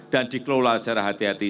dan dikelola secara hati hati